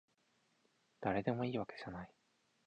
だれでもいいわけじゃない